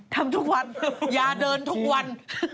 ทำทุกวันอย่าเดินทุกวัน